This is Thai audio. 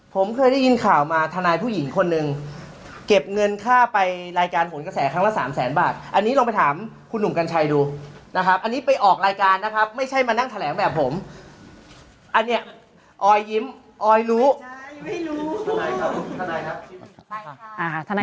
ผมเคยได้ยินข่าวมาทนายผู้หญิงคนหนึ่งเก็บเงินค่าไปรายการผลกระแสครั้งละสามแสนบาทอันนี้ลองไปถามคุณหนุ่มกัญชัยดูนะครับอันนี้ไปออกรายการนะครับไม่ใช่มานั่งแถลงแบบผมอันเนี้ยออยยิ้มออยรู้ไม่รู้ทนายครับทนายครับ